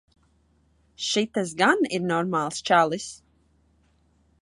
Šitas gan ir normāls čalis.